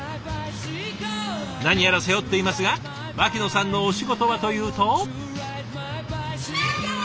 何やら背負っていますが牧野さんのお仕事はというと。